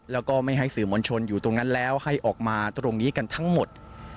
แล้วก็ไม่ให้สื่อมวลชนอยู่ตรงนั้นแล้วให้ออกมาตรงนี้กันทั้งหมด